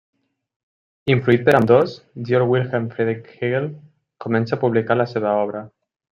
Influït per ambdós, Georg Wilhelm Friedrich Hegel comença a publicar la seva obra.